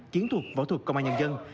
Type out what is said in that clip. chiến thuật võ thuật công an nhân dân